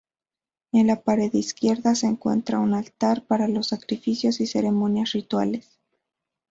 En la pared izquierda se encuentra un altar para los sacrificios y ceremonias rituales.